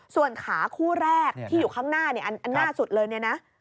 ส่วนขาคู่แรกที่อยู่ข้างหน้าอันหน้าสุดเลยเนี่ยนะ